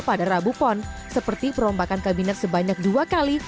pada rabu pon seperti perombakan kabinet sebanyak dua kali